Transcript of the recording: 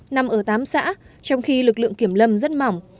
nằm ở tám xã trong khi lực lượng kiểm lâm rất mỏng